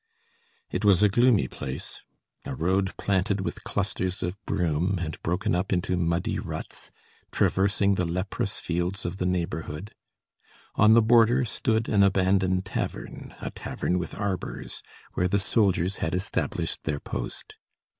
It was a gloomy place; a road planted with clusters of broom, and broken up into muddy ruts, traversing the leprous fields of the neighborhood; on the border stood an abandoned tavern, a tavern with arbors, where the soldiers had established their post.